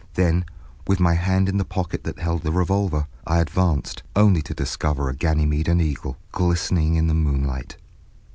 Then, with my hand in the pocket that held the revolver, I advanced, only to discover a Ganymede and Eagle, glistening in the moonlight.